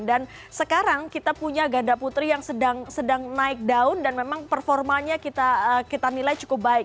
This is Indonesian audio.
dan sekarang kita punya ganda putri yang sedang naik daun dan memang performanya kita nilai cukup baik